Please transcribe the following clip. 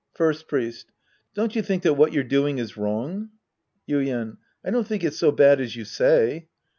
First Priest. Don't you think that what you're doing is wrong ? Yuien. I don't think it's so bad as you say.